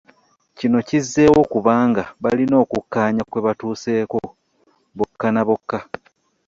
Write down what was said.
Kino kizzeewo kubanga balina okukkaanya kwe batuuseeko bokka na bokka